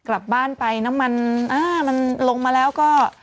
กลับบ้านไปน้ำมันมันลงมาแล้วก็